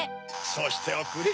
そうしておくれ。